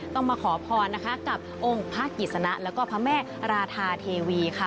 ต้องมาขอพรนะคะกับองค์พระกิจสนะแล้วก็พระแม่ราธาเทวีค่ะ